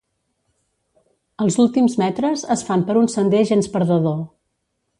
Els últims metres es fan per un sender gens perdedor.